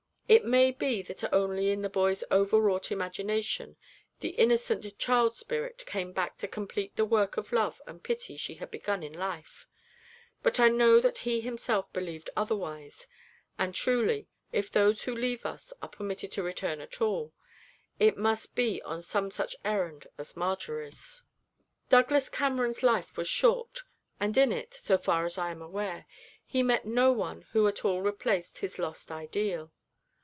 It may be that only in the boy's overwrought imagination, the innocent Child spirit came back to complete the work of love and pity she had begun in life; but I know that he himself believed otherwise, and, truly, if those who leave us are permitted to return at all, it must be on some such errand as Marjory's. Douglas Cameron's life was short, and in it, so far as I am aware, he met no one who at all replaced his lost ideal.